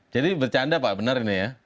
jadi bercanda pak benar ini ya